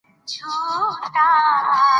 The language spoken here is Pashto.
د افغانستان جغرافیه کې ښارونه ستر اهمیت لري.